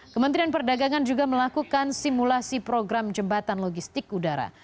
kementerian perdagangan juga melakukan simulasi program jembatan logistik udara